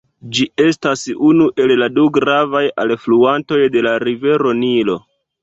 Ĝi estas unu el la du gravaj alfluantoj de la Rivero Nilo.